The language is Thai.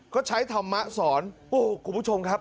ก็ใช้ธรรมะสอนโอ้โหคุณผู้ชมครับ